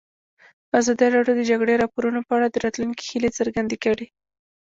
ازادي راډیو د د جګړې راپورونه په اړه د راتلونکي هیلې څرګندې کړې.